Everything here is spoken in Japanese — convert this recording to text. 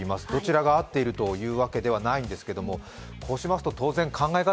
どちらが合っているというわけではないんですけど、こうなると考え方